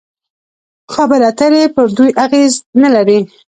خبرې اترې پر دوی اغېز نلري.